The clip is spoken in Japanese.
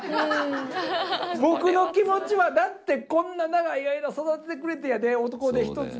僕の気持ちはだってこんな長い間育ててくれてやで男手一つで。